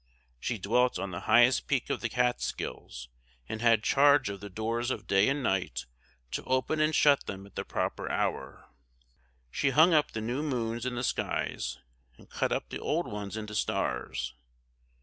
She dwelt on the highest peak of the Catskills, and had charge of the doors of day and night to open and shut them at the proper hour. She hung up the new moons in the skies, and cut up the old ones into stars.